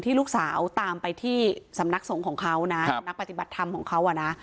ลูกสาวตามไปที่สำนักสงฆ์ของเขานะสำนักปฏิบัติธรรมของเขาอ่ะนะ